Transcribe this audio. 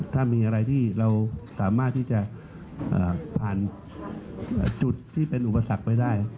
ถ้ามีอะไรที่เราสามารถที่จะผ่านจุดที่เป็นอุปสรรคไปได้